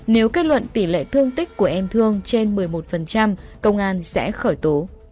nếu kết luận tỷ lệ thương tích của em thương trên một mươi một công an sẽ khởi tố